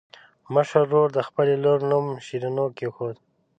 مشر ورور د خپلې لور نوم شیرینو کېښود.